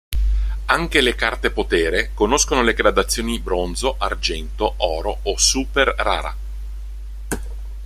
Anche le carte potere conoscono le gradazioni Bronzo, Argento, Oro o Super Rara.